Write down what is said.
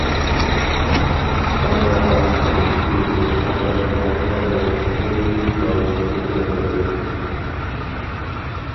كەنت ئاھالە كومىتېتى ئۇنى قوللاپ ئۇنىڭغا بىر ئۆرۈكلۈك باغنى كۆتۈرە بەردى.